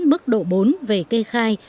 mức độ bốn về cây khai